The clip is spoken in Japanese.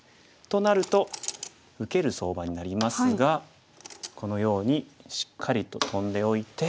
となると受ける相場になりますがこのようにしっかりとトンでおいて。